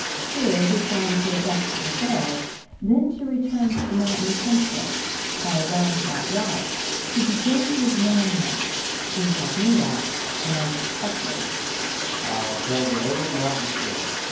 Here he planned to adjust his affairs, then to return to the mountain country, by a roundabout route, to begin his man hunt, incognito and unsuspected.